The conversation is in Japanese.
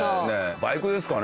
バイクですかね？